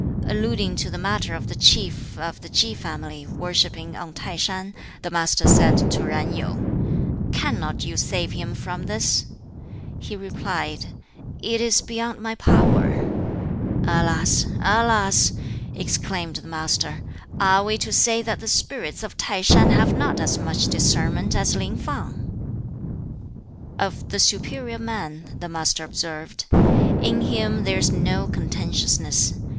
Alluding to the matter of the Chief of the Ki family worshipping on Tai shan, the Master said to Yen Yu, "Cannot you save him from this?" He replied, "It is beyond my power." "Alas, alas!" exclaimed the Master, "are we to say that the spirits of T'ai shan have not as much discernment as Lin Fang?" Of "the superior man," the Master observed, "In him there is no contentiousness.